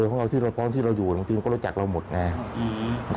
คนแนวมะเพอที่เราอยู่จริงก็รู้จักเราหมดงาน